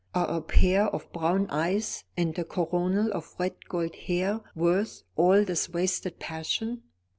Are a pair of brown eyes and a coronal of red gold hair worth all this wasted passion?"